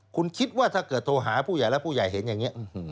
คุณคิดว่าถ้าเกิดโทรหาผู้ใหญ่แล้วผู้ใหญ่เห็นอย่างนี้